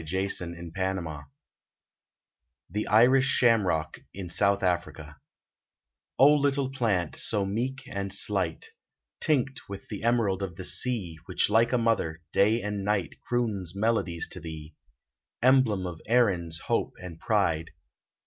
113 THE IRISH SHAMROCK IN SOUTH AFRICA /'~\ LITTLE plant, so meek and slight, Tinct with the emerald of the sea Which like a mother, day and night, Croons melodies to thee ; Emblem of Erin's hope and pride